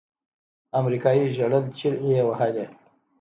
امريکايي ژړل چيغې يې وهلې.